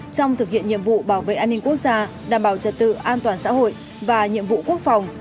trong thực hiện nhiệm vụ bảo vệ an ninh quốc gia đảm bảo trật tự an toàn xã hội và nhiệm vụ quốc phòng